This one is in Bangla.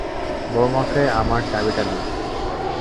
বউমাকে আমার চাবিটা দিস।